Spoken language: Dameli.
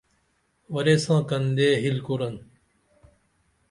ورے ساں کندے ہِل کُرن